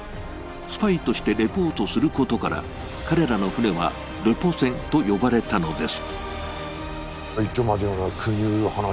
スパイとしてレポートすることから、彼らの船はレポ船と呼ばれたのです。